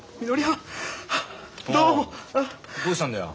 どうしたんだよ。